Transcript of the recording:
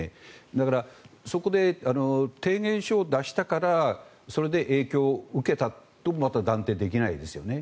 だからそこで提言書を出したからそれで影響を受けたとも断定できないですよね。